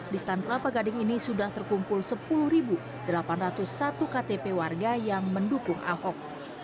di stand kelapa gading ini sudah terkumpul sepuluh delapan ratus satu ktp warga yang mendukung ahok